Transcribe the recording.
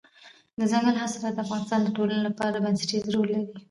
دځنګل حاصلات د افغانستان د ټولنې لپاره بنسټيز رول لري.